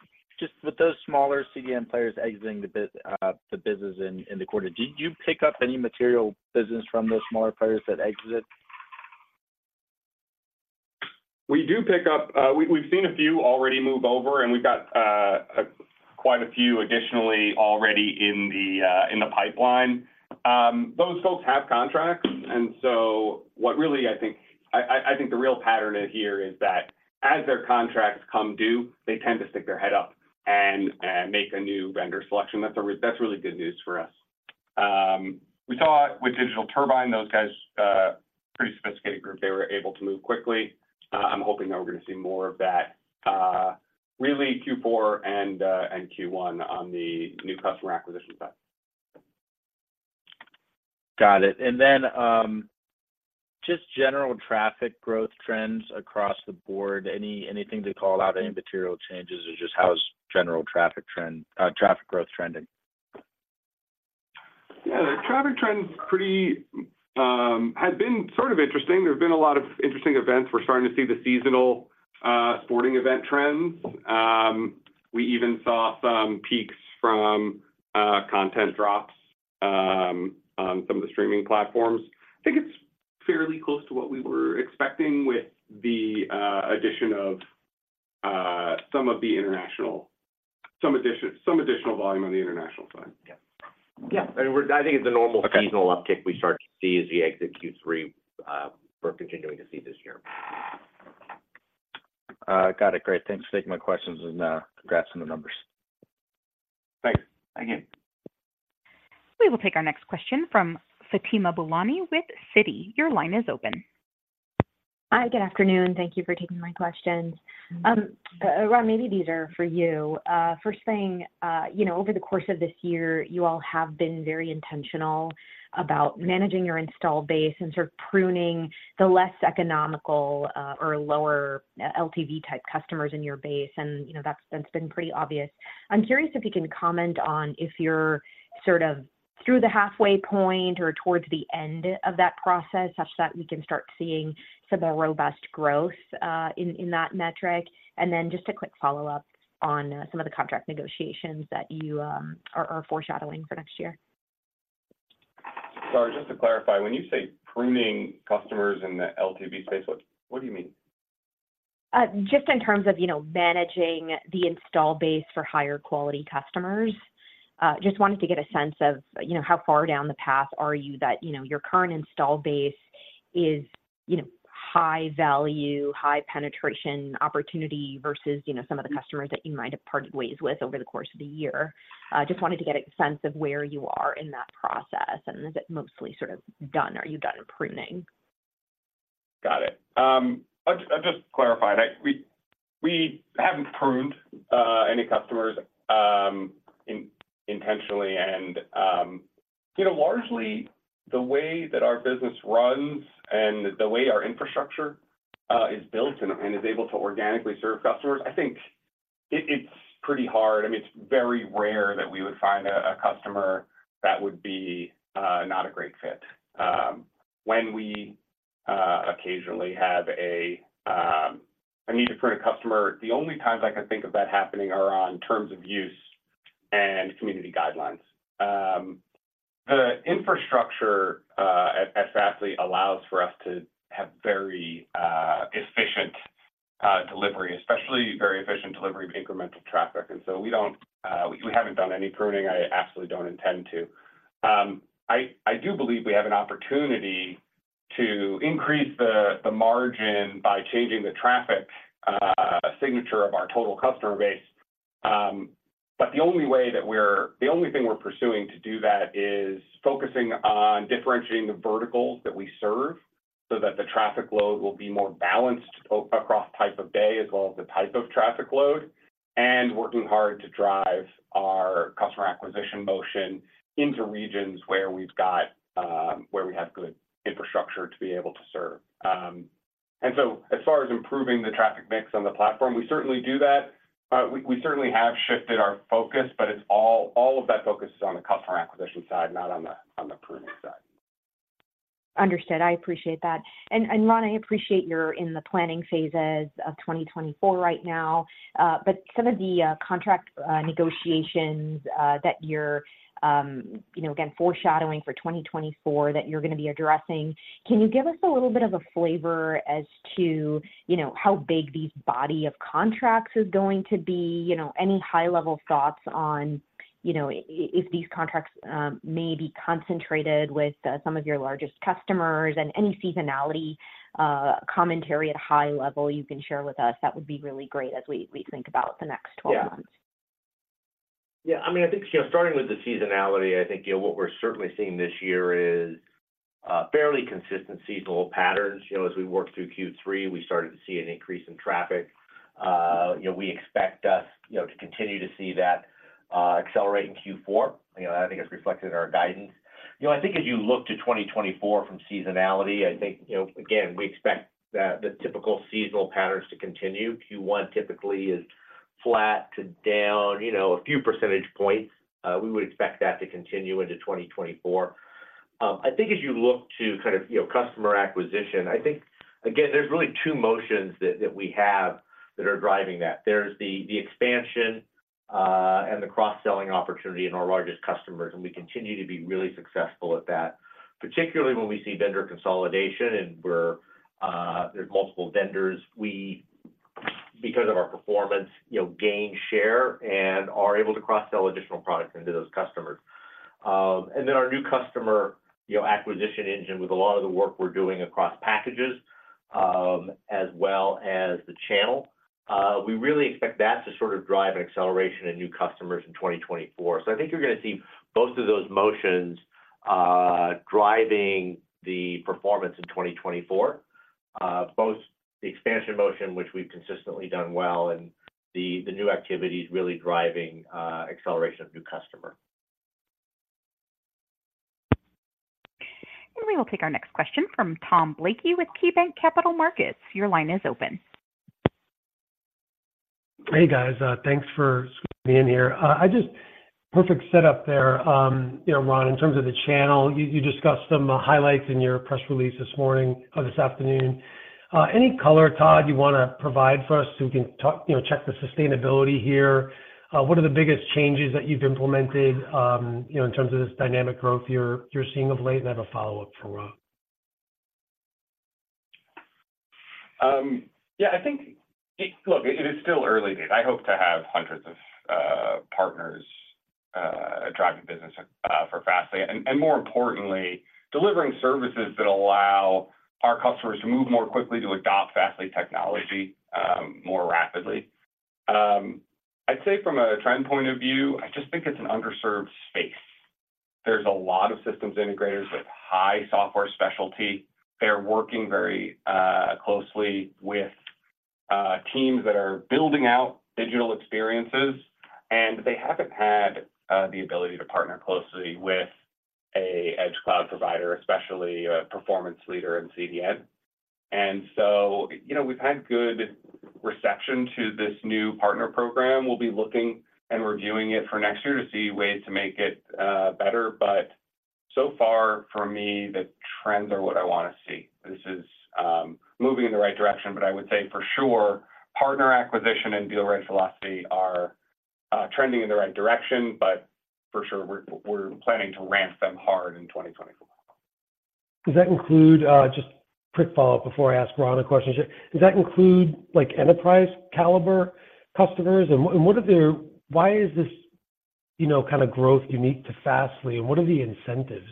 just with those smaller CDN players exiting the business in the quarter, did you pick up any material business from those smaller players that exited? We do pick up, we've seen a few already move over, and we've got quite a few additionally already in the pipeline. Those folks have contracts, and so what really I think the real pattern here is that as their contracts come due, they tend to stick their head up and make a new vendor selection. That's really good news for us. We saw it with Digital Turbine, those guys, pretty sophisticated group. They were able to move quickly. I'm hoping that we're going to see more of that, really Q4 and Q1 on the new customer acquisition side. Got it. And then, just general traffic growth trends across the board, anything to call out, any material changes, or just how is general traffic trend, traffic growth trending? Yeah, the traffic trends pretty had been sort of interesting. There's been a lot of interesting events. We're starting to see the seasonal sporting event trends. We even saw some peaks from content drops on some of the streaming platforms. I think it's fairly close to what we were expecting with the addition of some additional volume on the international side. Yeah. Yeah. I think it's a normal. Okay. Seasonal uptick we start to see as we exit Q3, we're continuing to see this year. Got it. Great. Thanks for taking my questions, and congrats on the numbers. Thanks. Thank you. We will take our next question from Fatima Boolani with Citi. Your line is open. Hi, good afternoon. Thank you for taking my questions. Ron, maybe these are for you. First thing, you know, over the course of this year, you all have been very intentional about managing your installed base and sort of pruning the less economical, or lower LTV-type customers in your base, and, you know, that's been pretty obvious. I'm curious if you can comment on if you're sort of through the halfway point or towards the end of that process, such that we can start seeing some more robust growth, in that metric. And then just a quick follow-up on, some of the contract negotiations that you are foreshadowing for next year. Sorry, just to clarify, when you say pruning customers in the LTV space, what do you mean? Just in terms of, you know, managing the install base for higher quality customers. Just wanted to get a sense of, you know, how far down the path are you that, you know, your current install base is, you know, high value, high penetration opportunity versus, you know, some of the customers that you might have parted ways with over the course of the year. Just wanted to get a sense of where you are in that process, and is it mostly sort of done? Are you done pruning? Got it. I'll just clarify that we haven't pruned any customers intentionally. And you know, largely, the way that our business runs and the way our infrastructure is built and is able to organically serve customers, I think it's pretty hard. I mean, it's very rare that we would find a customer that would be not a great fit. When we occasionally have a need to prune a customer, the only times I can think of that happening are on terms of use and community guidelines. The infrastructure at Fastly allows for us to have very efficient delivery, especially very efficient delivery of incremental traffic. And so we haven't done any pruning. I absolutely don't intend to. I do believe we have an opportunity to increase the margin by changing the traffic signature of our total customer base. But the only thing we're pursuing to do that is focusing on differentiating the verticals that we serve so that the traffic load will be more balanced across type of day, as well as the type of traffic load, and working hard to drive our customer acquisition motion into regions where we have good infrastructure to be able to serve. And so as far as improving the traffic mix on the platform, we certainly do that. We certainly have shifted our focus, but it's all of that focus is on the customer acquisition side, not on the pruning side. Understood. I appreciate that. And, Ron, I appreciate you're in the planning phases of 2024 right now, but some of the contract negotiations that you're, you know, again, foreshadowing for 2024, that you're going to be addressing, can you give us a little bit of a flavor as to, you know, how big these body of contracts is going to be? You know, any high-level thoughts on, you know, if these contracts may be concentrated with some of your largest customers, and any seasonality commentary at high level you can share with us, that would be really great as we think about the next 12 months. Yeah, I mean, I think, you know, starting with the seasonality, I think, you know, what we're certainly seeing this year is fairly consistent seasonal patterns. You know, as we worked through Q3, we started to see an increase in traffic. You know, we expect us, you know, to continue to see that accelerate in Q4. You know, I think it's reflected in our guidance. You know, I think as you look to 2024 from seasonality, I think, you know, again, we expect the typical seasonal patterns to continue. Q1 typically is flat to down, you know, a few percentage points. We would expect that to continue into 2024. I think as you look to kind of, you know, customer acquisition, I think, again, there's really two motions that we have that are driving that. There's the expansion and the cross-selling opportunity in our largest customers, and we continue to be really successful at that, particularly when we see vendor consolidation and where there's multiple vendors. We, because of our performance, you know, gain share and are able to cross-sell additional products into those customers. And then our new customer, you know, acquisition engine with a lot of the work we're doing across packages, as well as the channel, we really expect that to sort of drive an acceleration in new customers in 2024. So I think you're gonna see both of those motions driving the performance in 2024. Both the expansion motion, which we've consistently done well, and the new activities really driving acceleration of new customer. We will take our next question from Tom Blakey with KeyBanc Capital Markets. Your line is open. Hey, guys, thanks for squeezing me in here. I just-- perfect setup there, you know, Ron, in terms of the channel, you, you discussed some highlights in your press release this morning, or this afternoon. Any color, Todd, you want to provide for us so we can talk, you know, check the sustainability here? What are the biggest changes that you've implemented, you know, in terms of this dynamic growth you're, you're seeing of late? And I have a follow-up for Ron. Yeah, I think, look, it is still early days. I hope to have hundreds of partners driving business for Fastly, and more importantly, delivering services that allow our customers to move more quickly to adopt Fastly technology more rapidly. I'd say from a trend point of view, I just think it's an underserved space. There's a lot of systems integrators with high software specialty. They're working very closely with teams that are building out digital experiences, and they haven't had the ability to partner closely with an edge cloud provider, especially a performance leader in CDN. And so, you know, we've had good reception to this new partner program. We'll be looking and reviewing it for next year to see ways to make it better. But so far, for me, the trends are what I want to see. This is moving in the right direction, but I would say for sure, partner acquisition and deal reg velocity are trending in the right direction, but for sure, we're planning to ramp them hard in 2024. Does that include, just a quick follow-up before I ask Ron a question. Does that include, like, enterprise caliber customers, and why is this, you know, kind of growth unique to Fastly, and what are the incentives,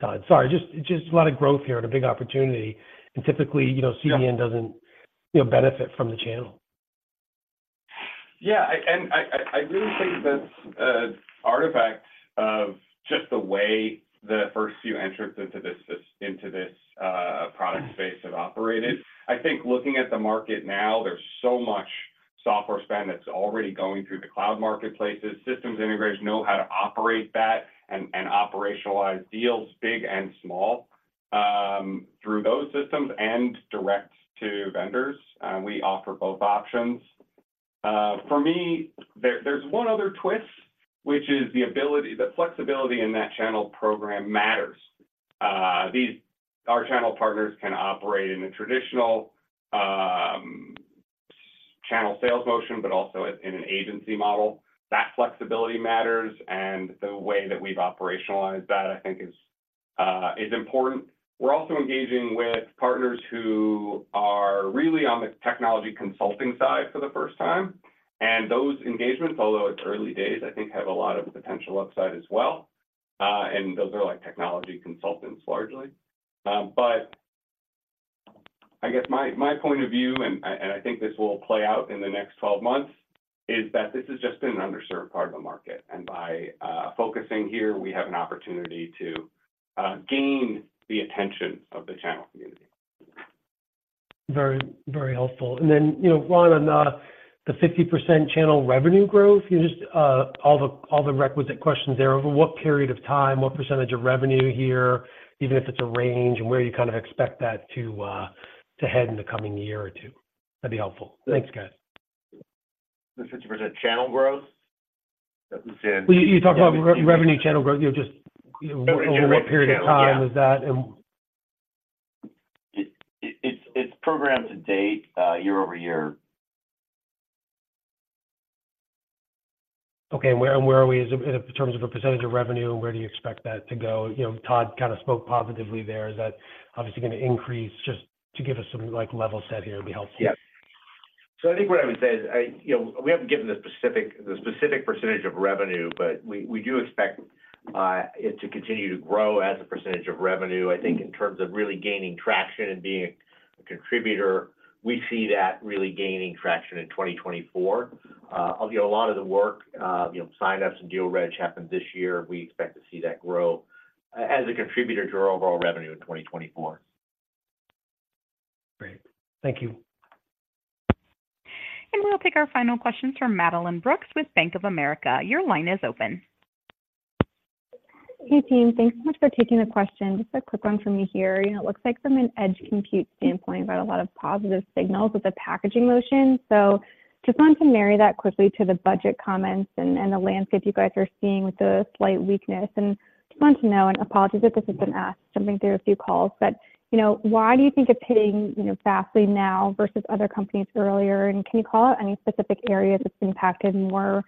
Todd? Sorry, just a lot of growth here and a big opportunity, and typically, you know, CDN doesn't, you know, benefit from the channel. Yeah, and I really think [this artifact] of just the way the first few entrants into this product space have operated. I think looking at the market now, there's so much software spend that's already going through the cloud marketplaces. Systems integrators know how to operate that and operationalize deals, big and small, through those systems and direct to vendors. We offer both options. For me, there's one other twist, which is the ability, the flexibility in that channel program matters. Our channel partners can operate in a traditional channel sales motion, but also in an agency model. That flexibility matters, and the way that we've operationalized that, I think is important. We're also engaging with partners who are really on the technology consulting side for the first time, and those engagements, although it's early days, I think, have a lot of potential upside as well. And those are like technology consultants, largely. But I guess my point of view, and I think this will play out in the next 12 months, is that this has just been an underserved part of the market, and by focusing here, we have an opportunity to gain the attention of the channel community. Very, very helpful. And then, you know, Ron, on the, the 50% channel revenue growth, you just all the -- all the requisite questions there. Over what period of time, what percentage of revenue here, even if it's a range, and where you kind of expect that to to head in the coming year or two? That'd be helpful. Thanks, guys. The 50% channel growth? Well, you talked about revenue channel growth, you know, what period of time is that and... It's program to date year-over-year. Okay, and where are we in terms of a percentage of revenue, and where do you expect that to go? You know, Todd kind of spoke positively there. Is that obviously going to increase? Just to give us some, like, level set here would be helpful. Yeah. So I think what I would say is, you know, we haven't given the specific, the specific percentage of revenue, but we do expect it to continue to grow as a percentage of revenue. I think in terms of really gaining traction and being a contributor, we see that really gaining traction in 2024. Although a lot of the work, you know, sign-ups and deal reg happened this year, we expect to see that grow, as a contributor to our overall revenue in 2024. Great. Thank you. We'll take our final question from Madeline Brooks with Bank of America. Your line is open. Hey, team. Thanks so much for taking the question. Just a quick one from me here. You know, it looks like from an edge compute standpoint, about a lot of positive signals with the packaging motion. So just wanted to marry that quickly to the budget comments and the landscape you guys are seeing with the slight weakness. And just wanted to know, and apologies if this has been asked, jumping through a few calls, but, you know, why do you think it's hitting, you know, Fastly now versus other companies earlier? And can you call out any specific areas it's impacted more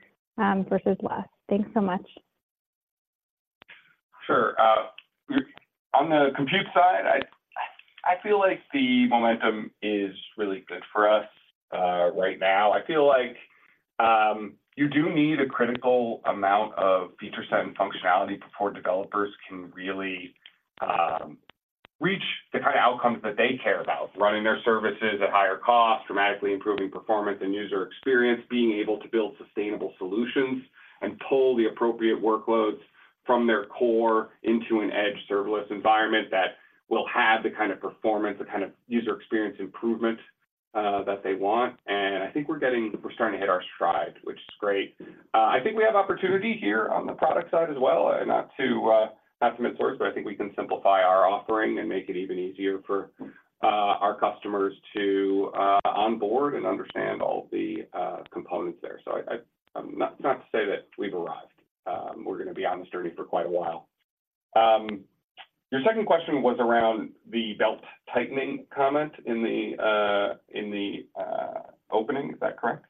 versus less? Thanks so much. Sure. We're on the compute side, I feel like the momentum is really good for us right now. I feel like you do need a critical amount of feature set and functionality before developers can really reach the kind of outcomes that they care about, running their services at higher cost, dramatically improving performance and user experience, being able to build sustainable solutions, and pull the appropriate workloads from their core into an edge serverless environment that will have the kind of performance, the kind of user experience improvement that they want. And I think we're starting to hit our stride, which is great. I think we have opportunity here on the product side as well, and not to mince words, but I think we can simplify our offering and make it even easier for our customers to onboard and understand all the components there. So, not to say that we've arrived. We're gonna be on this journey for quite a while. Your second question was around the belt-tightening comment in the opening. Is that correct?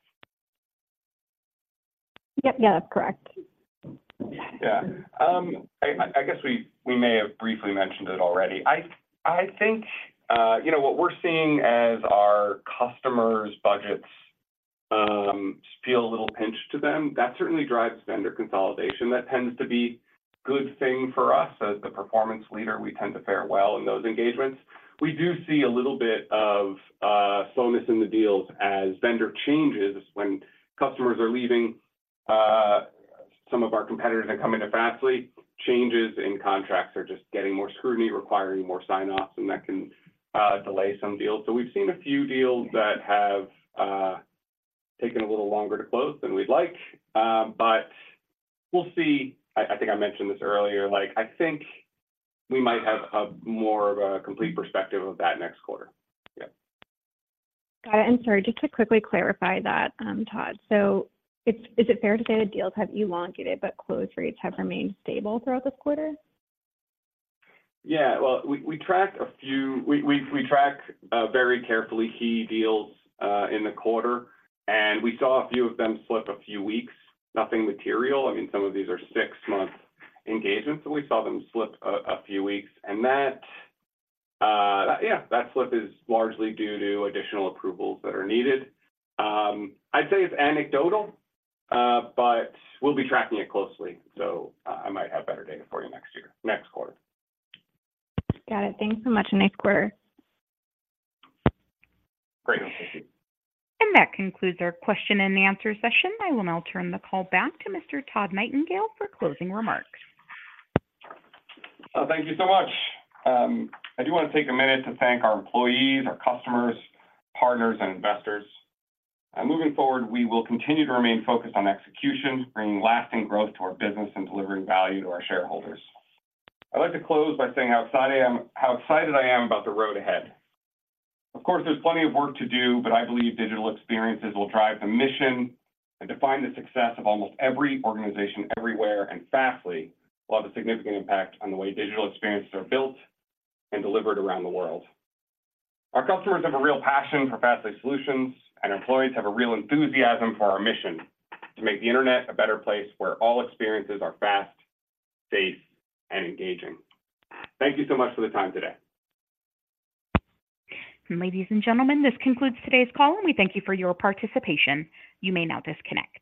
Yep. Yeah, that's correct. Yeah. I guess we may have briefly mentioned it already. I think, you know, what we're seeing as our customers' budgets feel a little pinch to them, that certainly drives vendor consolidation. That tends to be a good thing for us. As the performance leader, we tend to fare well in those engagements. We do see a little bit of slowness in the deals as vendor changes when customers are leaving some of our competitors and coming to Fastly. Changes in contracts are just getting more scrutiny, requiring more sign-offs, and that can delay some deals. So we've seen a few deals that have taken a little longer to close than we'd like, but we'll see. I think I mentioned this earlier, like, I think we might have a more of a complete perspective of that next quarter. Yeah. Got it. Sorry, just to quickly clarify that, Todd, so is it fair to say the deals have elongated, but close rates have remained stable throughout this quarter? Yeah. Well, we tracked very carefully key deals in the quarter, and we saw a few of them slip a few weeks. Nothing material. I mean, some of these are six-month engagements, so we saw them slip a few weeks. And that slip is largely due to additional approvals that are needed. I'd say it's anecdotal, but we'll be tracking it closely, so I might have better data for you next year, next quarter. Got it. Thanks so much, and nice quarter. Thanks. That concludes our question-and-answer session. I will now turn the call back to Mr. Todd Nightingale for closing remarks. So thank you so much. I do want to take a minute to thank our employees, our customers, partners, and investors. Moving forward, we will continue to remain focused on execution, bringing lasting growth to our business, and delivering value to our shareholders. I'd like to close by saying how excited I am about the road ahead. Of course, there's plenty of work to do, but I believe digital experiences will drive the mission and define the success of almost every organization everywhere, and Fastly will have a significant impact on the way digital experiences are built and delivered around the world. Our customers have a real passion for Fastly's solutions, and employees have a real enthusiasm for our mission, to make the internet a better place where all experiences are fast, safe, and engaging. Thank you so much for the time today. Ladies and gentlemen, this concludes today's call, and we thank you for your participation. You may now disconnect.